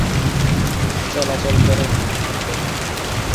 চলাচল করে।